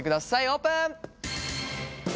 オープン！